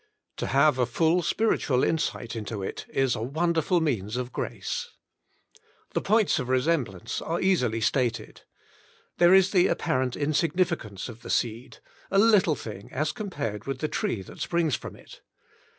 To have a full spiritual insight into it is a wonderful means of grace. The points of resemblance are easily stated. There is the apparent insignificance of the seed — a little thing as compared with the tree that springs from it.